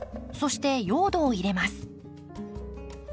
そして用土を入れます。